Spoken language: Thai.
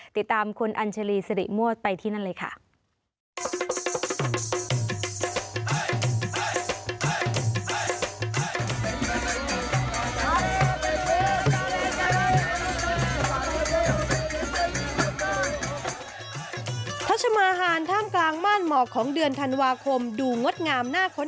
ติดตามคุณอัญชาลีสิริมั่วไปที่นั่นเลยค่ะ